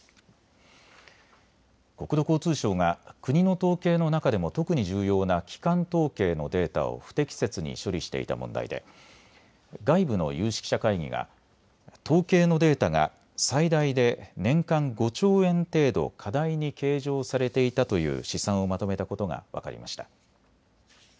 国土交通省が国の統計の中でも特に重要な基幹統計のデータを不適切に処理していた問題で外部の有識者会議が統計のデータが最大で年間５兆円程度、過大に計上されていたという試算をまとめたことが分かりました。